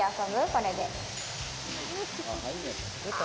これで。